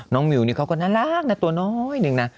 มิวนี่เขาก็น่ารักนะตัวน้อยหนึ่งนะ